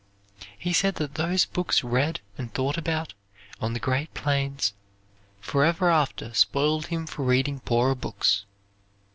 He said that those books read and thought about, on the great plains, forever after spoiled him for reading poorer books.